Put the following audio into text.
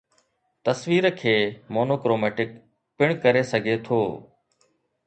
تصوير کي monochromatic پڻ ڪري سگھي ٿو